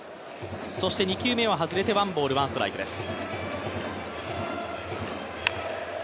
そして２球目は外れてワンボール、ワンストライクです。